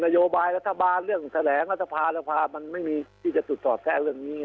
โยบายรัฐบาลเรื่องแถลงรัฐสภามันไม่มีที่จะจุดสอดแทรกเรื่องนี้